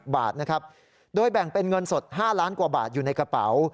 บาทนะครับโดยแบ่งเป็นเงินสด๕ล้านกว่าบาทอยู่ในกระเป๋า